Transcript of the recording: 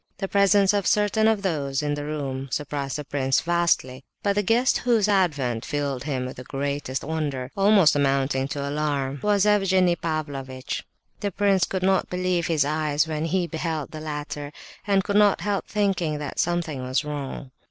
The presence of certain of those in the room surprised the prince vastly, but the guest whose advent filled him with the greatest wonder—almost amounting to alarm—was Evgenie Pavlovitch. The prince could not believe his eyes when he beheld the latter, and could not help thinking that something was wrong.